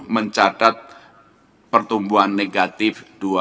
mencatat pertumbuhan negatif dua dua